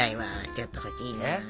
ちょっと欲しいな。